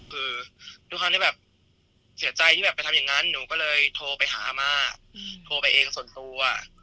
คือด้วยความที่แบบเสียใจที่แบบไปทำอย่างนั้นหนูก็เลยโทรไปหาอาม่าโทรไปเองส่วนตัว